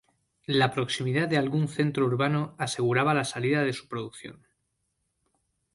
La proximidad de algún centro urbano aseguraba la salida de su producción.